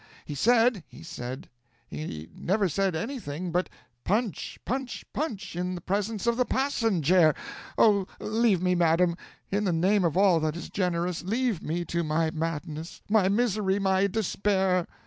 He said he said he never said anything but Punch, punch, punch in the presence of the passenjare! Oh, leave me, madam! In the name of all that is generous, leave me to my madness, my misery, my despair!